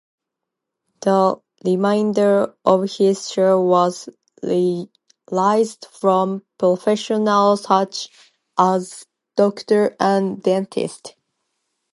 The remainder of his share was raised from professionals such as doctors and dentists.